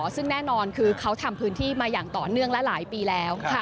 ซึ่งแน่นอนคือเขาทำพื้นที่มาอย่างต่อเนื่องและหลายปีแล้ว